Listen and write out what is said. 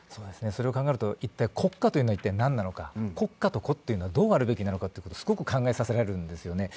それを考えると、国家とは一体何なのか、国家と個はどうあるべきなのか、すごく考えさせられるんですよね。